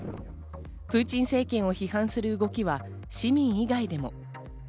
プーチン政権を批判する動きは市民以外でも。